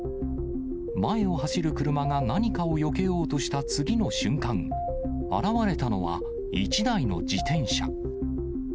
前を走る車が何かをよけようとした次の瞬間、現われたのは、１台の自転車。